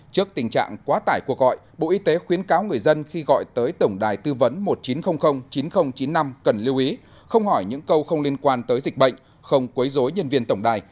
trước tình trạng quá tải cuộc gọi bộ y tế khuyến cáo người dân khi gọi tới tổng đài tư vấn một chín không không chín không chín năm cần lưu ý không hỏi những câu không liên quan tới dịch bệnh không quấy dối nhân viên tổng đài